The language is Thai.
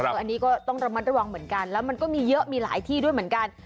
อันนี้ก็ต้องระมัดระวังเหมือนกันแล้วมันก็มีเยอะมีหลายที่ด้วยเหมือนกัน